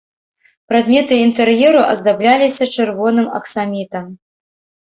Прадметы інтэр'еру аздабляліся чырвоным аксамітам.